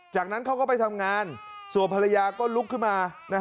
จากนั้นเขาก็ไปทำงานส่วนภรรยาก็ลุกขึ้นมา